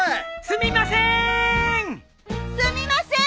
すみませーん！